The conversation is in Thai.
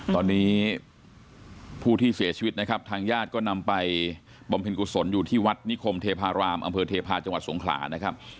ตอนนี้ผู้ที่เสียชีวิตนะครับทางญาติก็นำไปบำเพ็ญกุศลอยู่ที่วัดนิคมเทพารามอำเภอเทพาะจังหวัดสงขลานะครับ